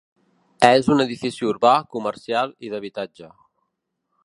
És un edifici urbà, comercial i d'habitatge.